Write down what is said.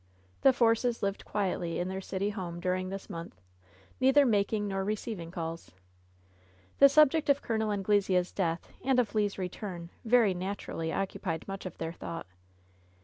The Forces lived quietly in their city home during this month, neither making nor receiving calls. The subject of Col. Anglesea^s death and of Le's re turn very naturally occupied much of their thought.